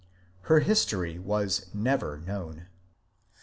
Her history was never known.